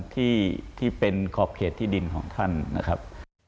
ที่เป็นขอบเขตที่ดินของท่านนะครับ